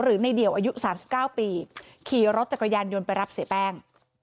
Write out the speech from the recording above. ในเดี่ยวอายุ๓๙ปีขี่รถจักรยานยนต์ไปรับเสียแป้ง